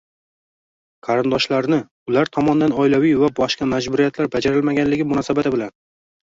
Qarindoshlarni ular tomonidan oilaviy va boshqa majburiyatlar bajarilmaganligi munosabati bilan